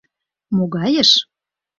Могайыш?